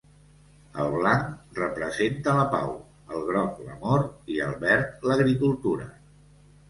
El blanc representa la pau, el groc l'amor i el verd l'agricultura.